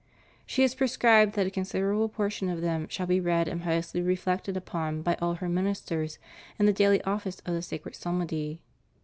^ She has prescribed that a considerable portion of them shall be read and piously reflected upon b}'^ all her ministers in the daily office of the sacred psalmody.